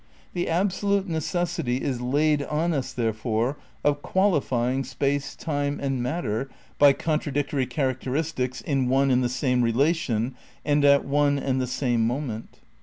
The absolute necessity is laid on us, therefore, of qualifying space, time, and matter by contradictory characteristics in one and the same relation and at one and the same moment.